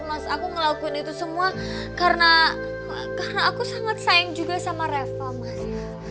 mas aku ngelakuin itu semua karena aku sangat sayang juga sama reva mas ya